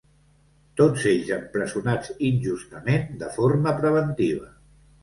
Tots ells empresonats injustament de forma preventiva.